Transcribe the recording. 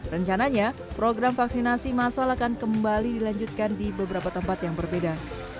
rencananya program vaksinasi masal akan kembali dilanjutkan di beberapa tempat yang berbeda